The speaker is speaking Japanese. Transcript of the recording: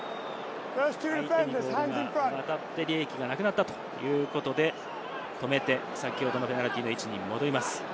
相手にボールが当たって利益がなくなったということで止めて、先ほどのペナルティーの位置に戻ります。